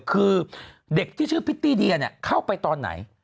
คือเด็กที่ชื่อพิตตี้เดียเข้าไปตอนไหน